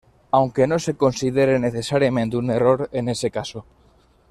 Aunque no se considere necesariamente un error en ese caso.